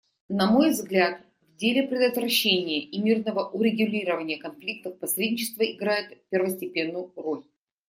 На мой взгляд, в деле предотвращения и мирного урегулирования конфликтов посредничество играет первостепенную роль.